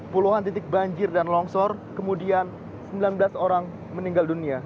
puluhan titik banjir dan longsor kemudian sembilan belas orang meninggal dunia